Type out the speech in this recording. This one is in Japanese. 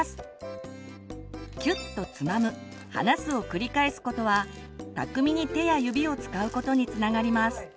キュッとつまむ離すを繰り返すことは巧みに手や指を使うことにつながります。